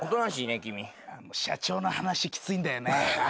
社長の話きついんだよね。